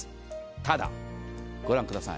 ただ、ご覧ください。